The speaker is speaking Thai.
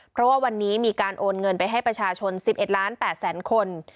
เพราะว่าวันนี้มีการโอนเงินไปให้ประชาชน๑๑ล้าน๘แสนคน